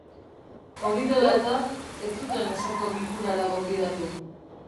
Hori dela eta, ez zuten osoko bilkurara gonbidatu.